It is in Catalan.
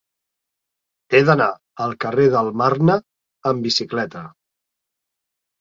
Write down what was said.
He d'anar al carrer del Marne amb bicicleta.